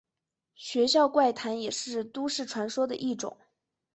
学校怪谈也是都市传说的一种。